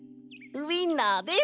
ウインナーです。